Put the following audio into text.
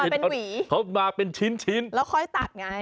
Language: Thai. เป็นหวีเขามาเป็นชิ้นแล้วค่อยตัดไง